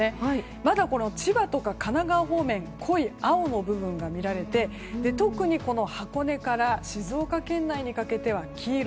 まだ千葉とか神奈川方面濃い青の部分が見られて特に箱根から静岡県内にかけては黄色。